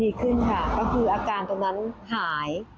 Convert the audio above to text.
ดีขึ้นค่ะก็คืออาการตรงนั้นหาย